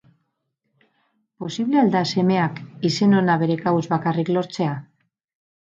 Posible al da semeak izen ona bere kabuz bakarrik lortzea?